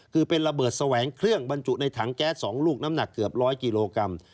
คือเป็นระเบิดแสวงเครื่องบรรจุในถังแก๊ส๒ลูกน้ำหนักเกือบร้อยกิโลกรัม